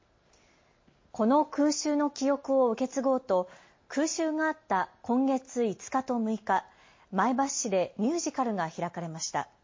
この空襲の記憶を受け継ごうと空襲があった今月５日と６日、前橋市でミュージカルが開かれました。